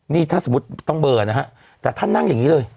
นี่ถ้าสมมุติต้องเบอร์นะฮะแต่ท่านนั่งอย่างนี้เลย